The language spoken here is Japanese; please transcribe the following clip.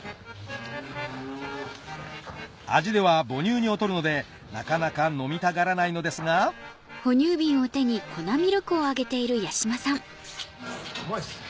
味では母乳に劣るのでなかなか飲みたがらないのですがうまいですね